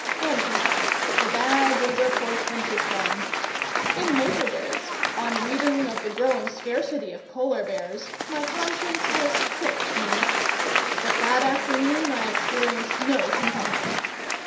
Anyhow, the bag was a portentous one. In later days, on reading of the growing scarcity of Polar bears, my conscience has pricked me; but that afternoon I experienced no compunction.